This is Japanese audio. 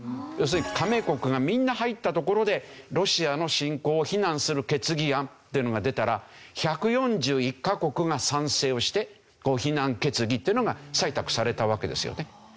要するに加盟国がみんな入ったところでロシアの侵攻を非難する決議案っていうのが出たら１４１カ国が賛成をして非難決議っていうのが採択されたわけですよね。